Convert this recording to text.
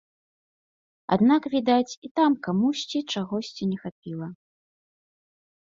Аднак, відаць, і там камусьці чагосьці не хапіла.